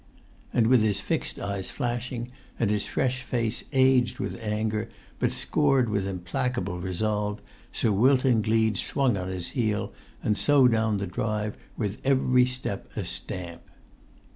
And with his fixed eyes flashing, and his fresh face aged with anger, but scored with implacable resolve, Sir Wilton Gleed swung on his heel, and so down the drive with every step a stamp.